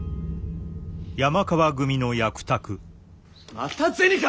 また銭か！